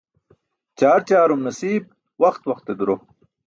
Ćaar ćaarum nasiib, waxt waxte duro.